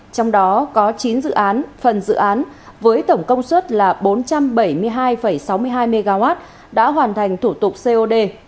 trong đó có chín dự án phần dự án với tổng công suất là bốn trăm bảy mươi hai sáu mươi hai mw đã hoàn thành thủ tục cod